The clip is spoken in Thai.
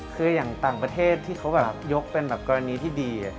คืออย่างต่างประเทศที่เขาแบบยกเป็นแบบกรณีที่ดี